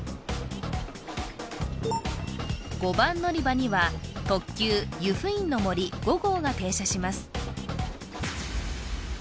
５番のりばには特急ゆふいんの森５号が停車します